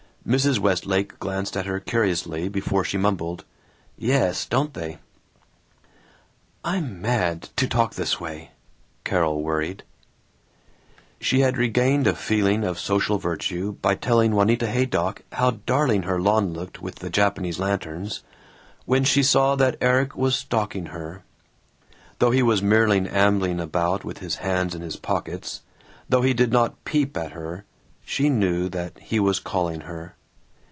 Mrs. Westlake glanced at her curiously before she mumbled, "Yes, don't they." "I'm mad, to talk this way," Carol worried. She had regained a feeling of social virtue by telling Juanita Haydock "how darling her lawn looked with the Japanese lanterns" when she saw that Erik was stalking her. Though he was merely ambling about with his hands in his pockets, though he did not peep at her, she knew that he was calling her.